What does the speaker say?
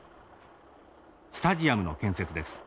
スタジアムの建設です。